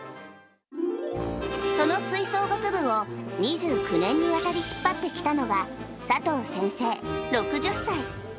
その吹奏楽部を２９年にわたり引っ張ってきたのが、佐藤先生６０歳。